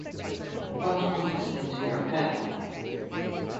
What put it into your head?